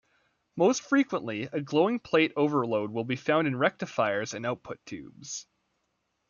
Most frequently, a glowing plate overload will be found in rectifiers and output tubes.